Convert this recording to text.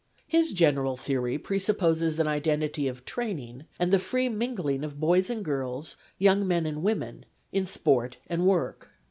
His general theory presupposes an identity of training, and the free mingling of boys and girls, young men and women, in sport and work.